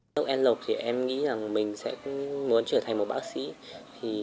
lúc em lột thì em nghĩ rằng mình sẽ muốn trở thành một bác sĩ